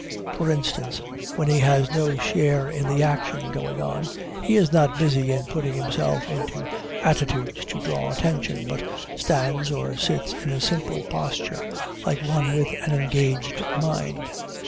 For instance, when he has no share in the action going on, he is not busy in putting himself into attitudes to draw attention, but stands or sits in a simple posture, like one with an engaged mind.